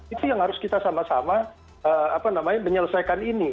itu yang harus kita sama sama menyelesaikan ini